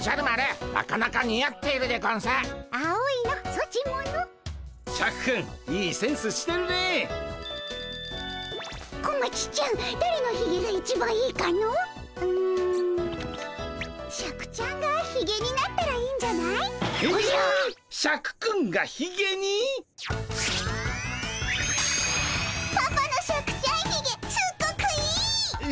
パパのシャクちゃんひげすっごくいい！